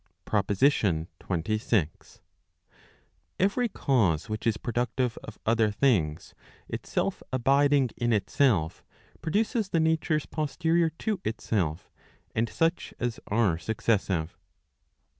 T>ROPOSITION XXVI. t Every cause which is productive of other things, itself abiding in itself, produces the natures posterior to itself, and such as are successive.